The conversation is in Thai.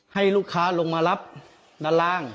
ให้ลูกค้าลงมารับด้านล่าง